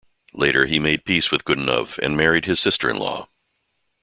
Later he made peace with Godunov and married his sister-in-law.